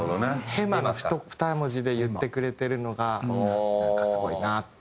「ヘマ」の二文字で言ってくれてるのがなんかすごいなって。